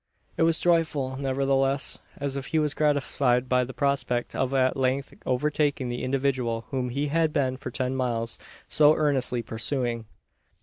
It was joyful, nevertheless; as if he was gratified by the prospect of at length overtaking the individual whom he had been for ten miles so earnestly pursuing.